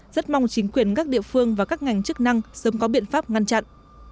rất mong chính quyền các địa phương và các ngành chức năng sớm có biện pháp ngăn chặn